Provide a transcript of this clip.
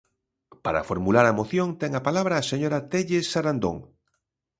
Para formular a moción ten a palabra a señora Telles Sarandón.